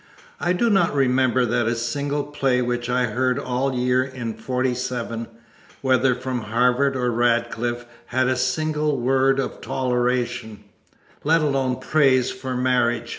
I do not remember that a single play which I heard all year in 47, whether from Harvard or Radcliffe, had a single word of toleration, let alone praise, for marriage.